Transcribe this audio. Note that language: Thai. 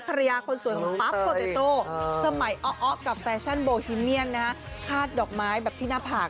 ภรรยาคนสวยปั๊บก็เตยโตสมัยอ๊อกอ๊อกกับแฟชั่นโบฮิเมียนนะฮะคาดดอกไม้แบบที่หน้าผาก